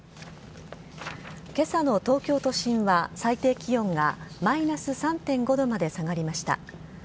今朝の東京都心は最低気温がマイナス３．５度まで下がりました。